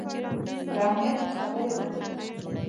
پر اهمیت یې خبرې وکړې.